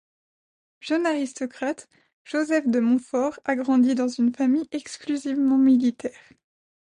Jeune aristocrate, Joseph de Monfort a grandi dans une famille exclusivement militaire.